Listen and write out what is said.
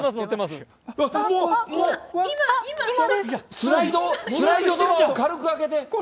スライドドアを軽く開けて。